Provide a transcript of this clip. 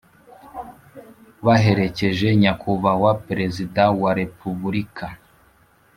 baherekeje Nyakubahwa Perezida wa repubulika